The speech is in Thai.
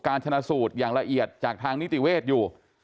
ชนะสูตรอย่างละเอียดจากทางนิติเวศอยู่